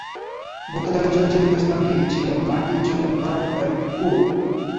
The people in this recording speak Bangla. গুপ্তধনের জন্য চিহ্নিত স্থানটি ছিল মাটি জমে ভরাট হওয়া একটি কুয়ো।